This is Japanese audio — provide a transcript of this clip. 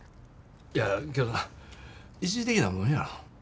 やけど一時的なもんやろ。